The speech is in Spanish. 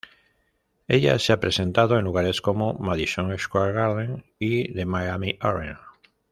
Ella se ha presentado en lugares como Madison Square Garden y The Miami Arena.